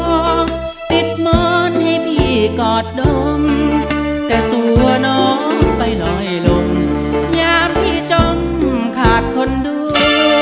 ติดม้อนให้พี่กอดดมแต่ตัวน้องไปลอยลมอย่าพี่จมขาดคนดู